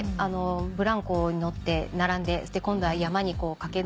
ブランコに乗って並んで今度は山に駆け登って。